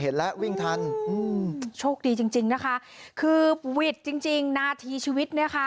เห็นแล้ววิ่งทันอืมโชคดีจริงจริงนะคะคือวิทย์จริงจริงนาทีชีวิตเนี่ยค่ะ